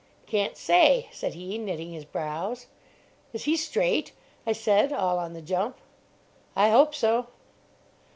"Can't say," said he, knitting his brows. "Is he straight?" I said, all on the jump. "I hope so."